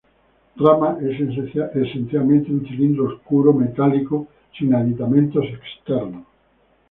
Rama es esencialmente un cilindro oscuro, metálico, sin aditamentos externos.